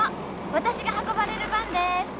私が運ばれる番です！